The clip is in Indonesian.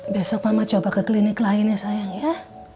besok mama coba ke klinik lain ya sayang ya